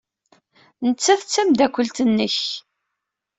Nettat d tameddakelt-nnek.